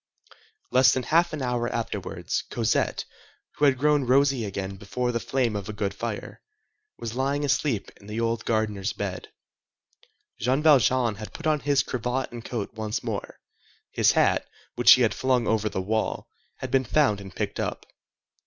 Less than half an hour afterwards Cosette, who had grown rosy again before the flame of a good fire, was lying asleep in the old gardener's bed. Jean Valjean had put on his cravat and coat once more; his hat, which he had flung over the wall, had been found and picked up.